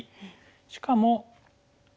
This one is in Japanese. しかも。